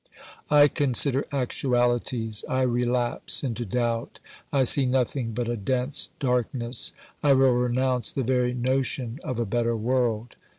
I consider actualities; I relapse into doubt; I see nothing but a dense darkness. I will renounce the very notion of a better world